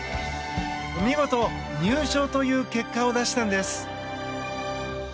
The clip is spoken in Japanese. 見事、入賞という結果を出したんです。